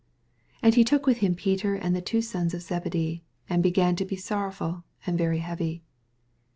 87 And he took with him Peter and the two sons of Zehedee. and hegan to he Borrowfal and very lieavy.